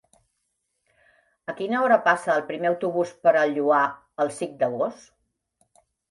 A quina hora passa el primer autobús per el Lloar el cinc d'agost?